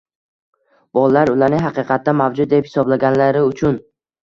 Bolalar ularni haqiqatda mavjud deb hisoblaganlari uchun